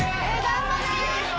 頑張れ！